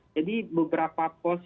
jadi beberapa pos